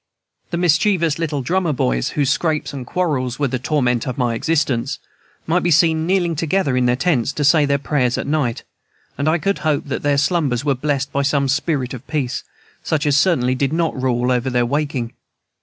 The mischievous little drummer boys, whose scrapes and quarrels were the torment of my existence, might be seen kneeling together in their tents to say their prayers at night, and I could hope that their slumbers were blessed by some spirit of peace, such as certainly did not rule over their waking.